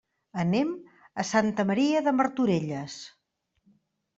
Anem a Santa Maria de Martorelles.